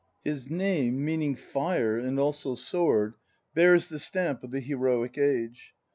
His name, meaning "fire" and also "sword," bears the stamp of the heroic age.